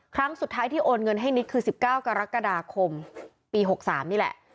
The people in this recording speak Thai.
ครั้งสุดท้ายที่โอนเงินให้นิดคือ๑๙กรกฎาคมปี๖๓นี่แหละ